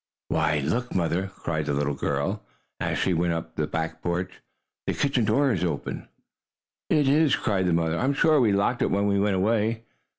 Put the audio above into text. "Why, look, Mother!" cried the little girl, as she went up on the back porch. "The kitchen door is open!" "It is?" cried her mother. "I'm sure we locked it when we went away."